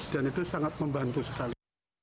dan itu sangat membantu sekali